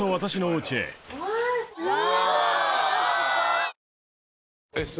うわ！